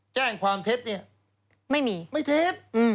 แจ้งความเทศเนี่ยไม่เทศ